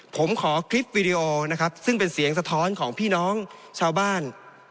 ผมขอคลิปวีดีโอนะครับซึ่งเป็นเสียงสะท้อนของพี่น้องชาวบ้าน